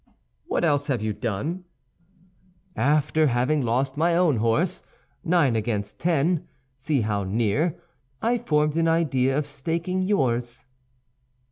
"What else have you done." "After having lost my own horse, nine against ten—see how near—I formed an idea of staking yours."